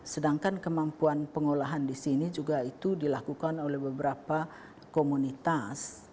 sedangkan kemampuan pengolahan di sini juga itu dilakukan oleh beberapa komunitas